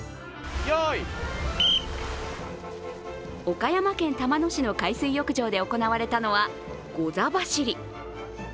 岡山県玉野市の海水浴場で行われたのはゴザ走り。